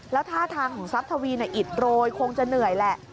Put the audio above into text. แล้วท่าทางของทรัพย์ทวีอิดโรยคงจะเหนื่อยแหละ